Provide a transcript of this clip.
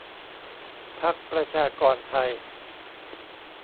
พรรคประชากรไทย